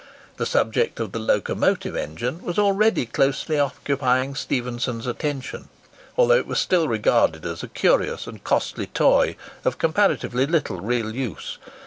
The subject of the locomotive engine was already closely occupying Stephenson's attention; although it was still regarded as a curious and costly toy, of comparatively little real use.